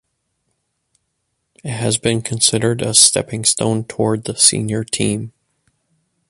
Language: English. It has been considered a stepping stone toward the senior team.